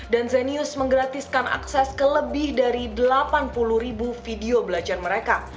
dan zenius menggratiskan akses ke lebih dari delapan puluh ribu video belajar mereka